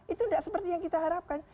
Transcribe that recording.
itu tidak seperti yang kita harapkan